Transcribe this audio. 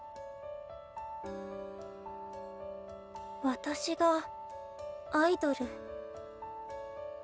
私がアイドル。